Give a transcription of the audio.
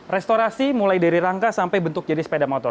restorasi mulai dari rangka sampai bentuk jadi sepeda motor